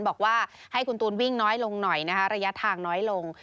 บอกว่าให้คุณตูนวิ่งน้อยลงหน่อยนะคะระยะทางน้อยลง